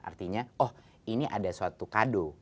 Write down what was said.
artinya oh ini ada suatu kado